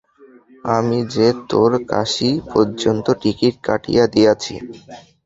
আমি যে তোর কাশী পর্যন্ত টিকিট করিয়া দিয়াছি।